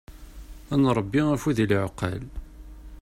Ad nṛebbi afud i lɛeqqal.